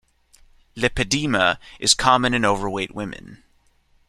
Lipedema is common in overweight women.